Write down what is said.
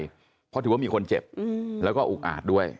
เพราะถือว่ามีคนเจ็บแล้วก็อุกอาจด้วย